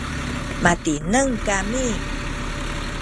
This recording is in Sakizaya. matineng kami